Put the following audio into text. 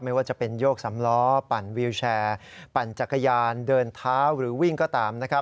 ไม่ว่าจะเป็นโยกสำล้อปั่นวิวแชร์ปั่นจักรยานเดินเท้าหรือวิ่งก็ตามนะครับ